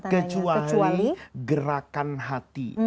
kecuali gerakan hati